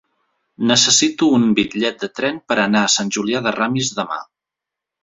Necessito un bitllet de tren per anar a Sant Julià de Ramis demà.